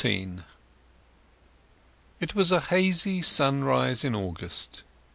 XIV It was a hazy sunrise in August.